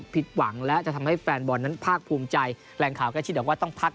ผิดหวังและจะทำให้แฟนบอลนั้นภาคภูมิใจแรงข่าวใกล้ชิดบอกว่าต้องพัก